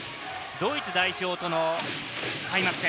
ドイツ代表との開幕戦。